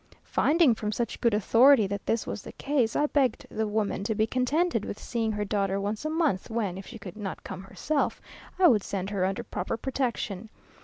Finding from such good authority that this was the case, I begged the woman to be contented with seeing her daughter once a month, when, if she could not come herself, I would send her under proper protection.